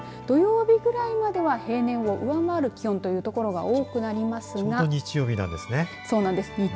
土曜日ぐらいまでは平年を上回る気温という所が多くなりますがちょうど日曜日なんですね。